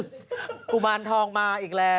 กุมารทองมาอีกแล้ว